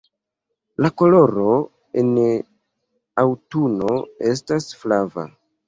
La koloro en aŭtuno estas flava.